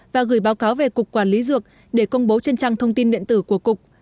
và gửi báo cáo về cục quản lý dược để công bố trên trang thông tin điện tử của cục